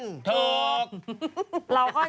ปล่อยให้เบลล่าว่าง